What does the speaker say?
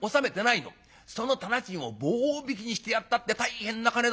その店賃を棒引きにしてやったって大変な金だよ？